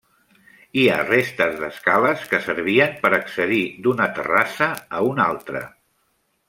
Hi ha restes d'escales que servien per accedir d'una terrassa a una altra.